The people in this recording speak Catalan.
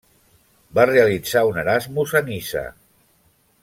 Va realitzar un Erasmus a Niça.